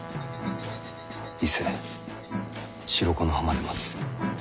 伊勢・白子の浜で待つ。